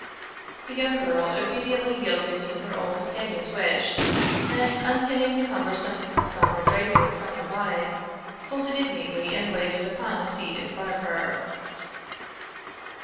The young girl obediently yielded to her old companion's wish and unpinning the cumbersome, sombre drapery from her bonnet, folded it neatly and laid it upon the seat in front of her.